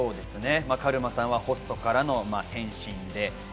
カルマさんはホストからの転身で。